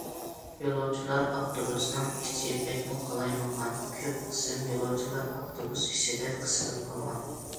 يولۇچىلار ئاپتوبۇسىنىڭ ئىچى بەكمۇ قالايمىقان، كۆپ قىسىم يولۇچىلار ئاپتوبۇس ئىچىدە قىسىلىپ قالغان.